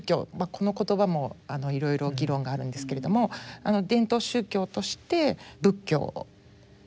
この言葉もいろいろ議論があるんですけれども伝統宗教として仏教文化